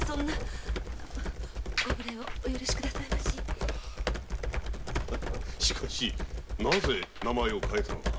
いやしかしなぜ名前を変えたのだ？